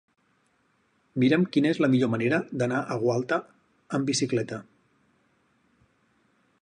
Mira'm quina és la millor manera d'anar a Gualta amb bicicleta.